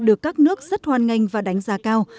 được các nước rất hoan nghênh và đánh giá cao